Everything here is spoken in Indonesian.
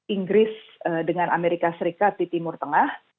inggris dengan amerika serikat di timur tengah